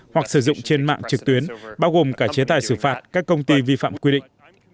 hoặc sử dụng trên mạng trực tuyến bao gồm cả chế tài xử phạt các công ty vi phạm quy định